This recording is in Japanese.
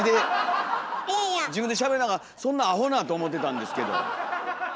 自分でしゃべりながらそんなアホなと思ってたんですけど。